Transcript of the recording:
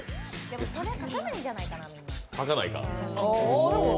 それ、書かないんじゃないかな。